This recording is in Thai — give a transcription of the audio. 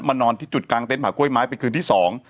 นอนที่จุดกลางเต็นหากล้วยไม้เป็นคืนที่สอง